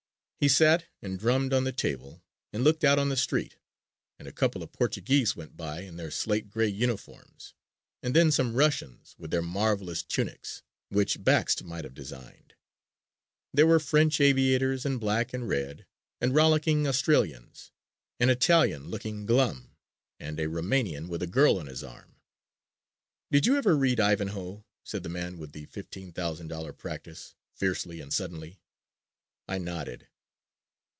He sat and drummed on the table and looked out on the street and a couple of Portuguese went by in their slate gray uniforms and then some Russians, with their marvelous tunics, which Bakst might have designed; there were French aviators in black and red, and rollicking Australians, an Italian, looking glum, and a Roumanian with a girl on his arm. "Did you ever read 'Ivanhoe'?" said the man with the $15,000 practice, fiercely and suddenly. I nodded.